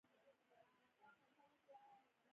د مقالې د سپارلو وعده یې روهیال ته وکړه.